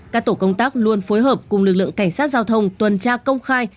các tổ công tác luôn phối hợp cùng lực lượng cảnh sát giao thông tuần tra công khai